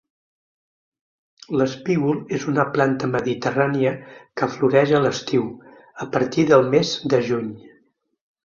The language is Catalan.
L'espígol és una planta mediterrània que floreix a l'estiu, a partir del mes de juny.